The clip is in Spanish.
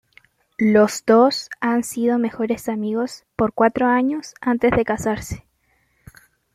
Los dos han sido mejores amigos por cuatro años antes de casarse.